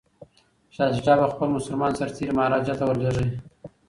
شاه شجاع به خپل مسلمان سرتیري مهاراجا ته ور لیږي.